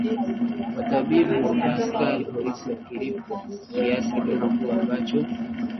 watabibu na askari polisi wakilipwa kiasi kidogo tu ambacho